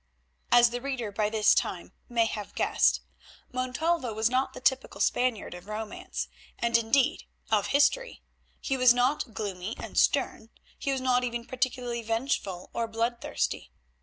As the reader by this time may have guessed, Montalvo was not the typical Spaniard of romance, and, indeed, of history. He was not gloomy and stern; he was not even particularly vengeful or bloodthirsty.